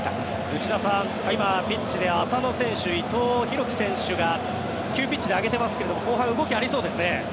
内田さん、今、ピッチで浅野選手、伊藤洋輝選手が急ピッチで上げていますが後半、動きありそうですね。